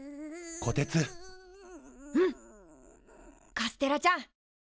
カステラちゃん。